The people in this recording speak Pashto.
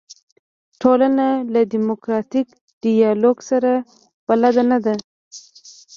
ټولنه له دیموکراتیک ډیالوګ سره بلده نه ده.